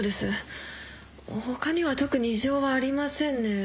他には特に異常はありませんね。